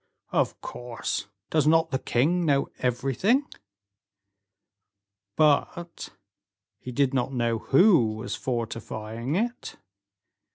"Of course; does not the king know everything?" "But he did not know who was fortifying it?"